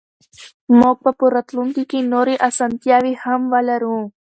موږ به په راتلونکي کې نورې اسانتیاوې هم ولرو.